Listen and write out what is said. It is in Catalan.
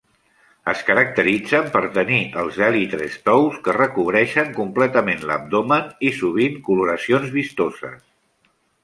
Es caracteritzen per tenir els èlitres tous que recobreixen completament l'abdomen i sovint coloracions vistoses.